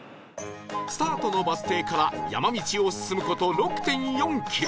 スタートのバス停から山道を進む事 ６．４ キロ